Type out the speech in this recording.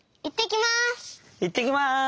いってきます！